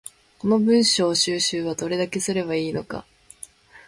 この文章収集はどれだけすれば良いのか